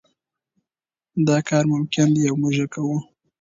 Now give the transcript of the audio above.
دا کار ممکن دی او موږ یې کوو.